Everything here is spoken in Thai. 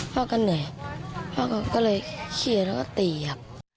พ่อก็เหนื่อยพ่อก็เลยเครียดแล้วก็ตีครับ